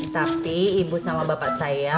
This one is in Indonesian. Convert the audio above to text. tapi ibu sama bapak saya